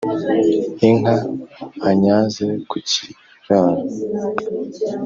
inka anyaze ku cyirabo,